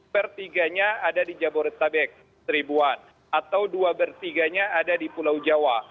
bertiganya ada di jabodetabek seribu an atau dua bertiganya ada di pulau jawa